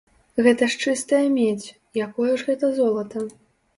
Гэта ж чыстая медзь, якое ж гэта золата?